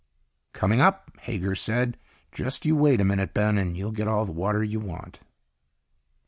"Coming up," Hager said. "Just you wait a minute, Ben, and you'll get all the water you want."